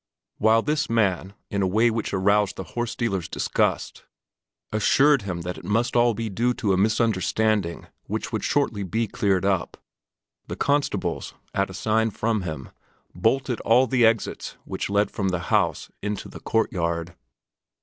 While this man, in a way which aroused the horse dealer's disgust, assured him that it must all be due to a misunderstanding which would shortly be cleared up, the constables, at a sign from him, bolted all the exits which led from the house into the courtyard.